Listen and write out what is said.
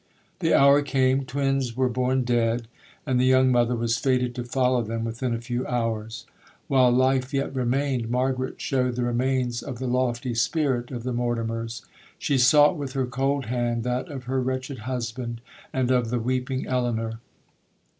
'The hour came—twins were born dead—and the young mother was fated to follow them within a few hours! While life yet remained, Margaret shewed the remains of the lofty spirit of the Mortimers. She sought with her cold hand that of her wretched husband and of the weeping Elinor.